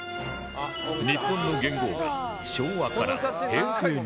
日本の元号が昭和から平成になり